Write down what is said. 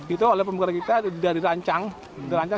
itu oleh pembukaan kita sudah dirancang